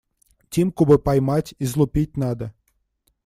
Тимку бы поймать, излупить надо.